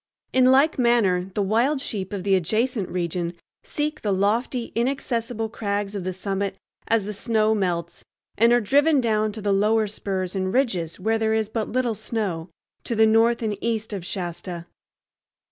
In like manner the wild sheep of the adjacent region seek the lofty inaccessible crags of the summit as the snow melts, and are driven down to the lower spurs and ridges where there is but little snow, to the north and east of Shasta.